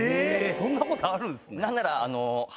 そんなことあるんすね。